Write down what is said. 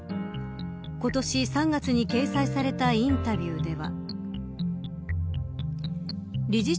今年３月に掲載されたインタビューでは。